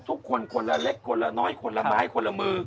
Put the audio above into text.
ทุกคนคนละเล็กคนละน้อยคนละไม้คนละมือ